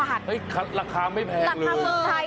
เฮ้ยราคาไม่แพงจังเลย